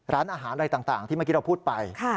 ร้านอาหารอะไรต่างที่เมื่อกี้เราพูดไป